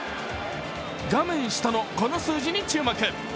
画面下のこの数字に注目。